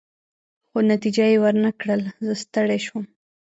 خو نتیجه يې ورنه کړل، زه ستړی شوم.